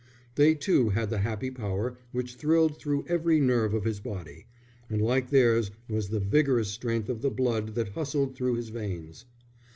They too had the happy power which thrilled through every nerve of his body, and like theirs was the vigorous strength of the blood that hustled through his veins.